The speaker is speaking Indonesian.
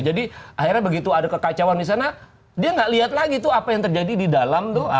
jadi akhirnya begitu ada kekacauan di sana dia nggak lihat lagi tuh apa yang terjadi di dalam tuh